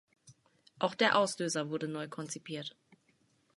Auch der Auslöser wurde neu konzipiert.